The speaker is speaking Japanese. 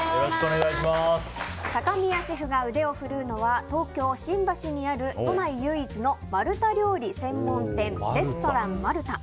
高宮シェフが腕を振るうのは東京・新橋にある都内唯一のマルタ料理専門店レストランマルタ。